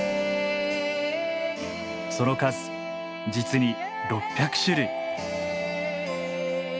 その数実に６００種類。